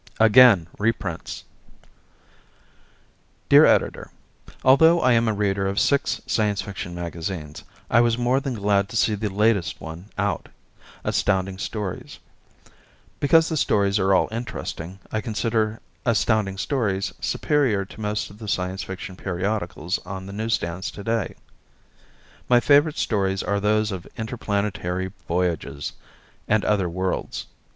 Again Reprints Dear Editor: Although I am a reader of six Science Fiction magazines, I was more than glad to see the latest one out, Astounding Stories. Because the stories are all interesting. I consider Astounding Stories superior to most of the Science Fiction periodicals on the newsstands to day. My favorite stories are those of interplanetary voyages and other worlds.